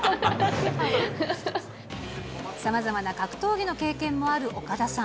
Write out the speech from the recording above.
さまざまな格闘技の経験もある岡田さん。